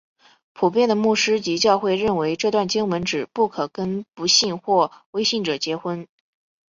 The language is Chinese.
普遍的牧师及教会认为这段经文指不可跟不信或未信者结婚。